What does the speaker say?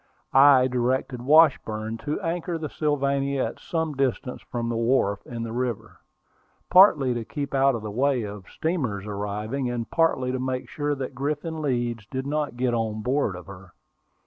I directed Washburn to anchor the Sylvania at some distance from the wharf in the river, partly to keep out of the way of steamers arriving, and partly to make sure that Griffin Leeds did not get on board of her.